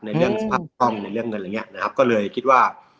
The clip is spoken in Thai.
ในเรื่องสภาพห้องในเรื่องเงินอะไรอย่างเงี้ยนะครับก็เลยคิดว่า